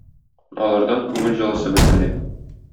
Алардан күңел җылысы бөркелә.